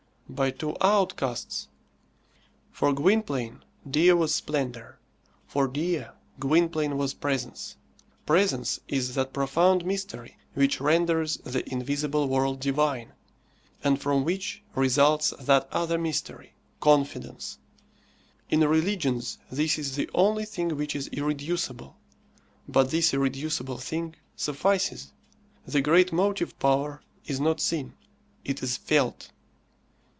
By two outcasts. For Gwynplaine, Dea was splendour. For Dea, Gwynplaine was presence. Presence is that profound mystery which renders the invisible world divine, and from which results that other mystery confidence. In religions this is the only thing which is irreducible; but this irreducible thing suffices. The great motive power is not seen; it is felt.